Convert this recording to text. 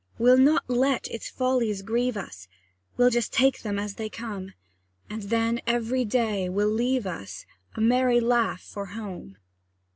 We'll not let its follies grieve us, We'll just take them as they come; And then every day will leave us A merry laugh for home.